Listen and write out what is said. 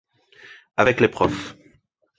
Avec les prof.